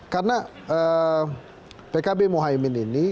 karena pkb muhammad ini